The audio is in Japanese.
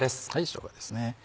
しょうがですね。